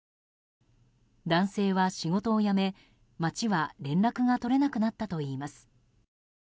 男性は仕事を辞め、町は連絡が取れなくなったといいます。